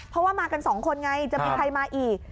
เพราะว่ามากันสองคนไงจะมีใครมาอีก